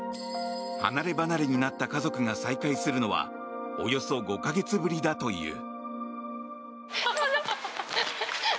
離れ離れになった家族が再会するのはおよそ５か月ぶりだという。